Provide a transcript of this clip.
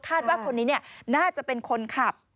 ว่าคนนี้น่าจะเป็นคนขับ